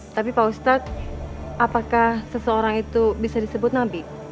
tapi pak ustadz apakah seseorang itu bisa disebut nabi